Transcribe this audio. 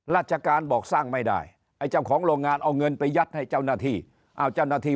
ราชการบอกสร้างไม่ได้ไอ้เจ้าของโรงงานเอาเงินไปยัดให้เจ้าหน้าที่